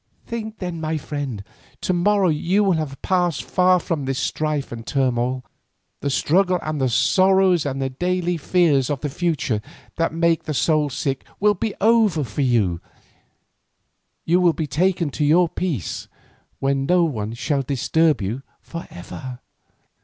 Think then, my friend, to morrow you will have passed far from this strife and turmoil; the struggle and the sorrows and the daily fears for the future that make the soul sick will be over for you, you will be taken to your peace, where no one shall disturb you for ever.